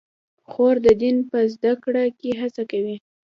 خور د دین په زده کړه کې هڅه کوي.